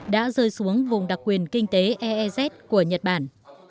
đã rơi xuống vùng đặc quyền kinh tế ez của nhật bản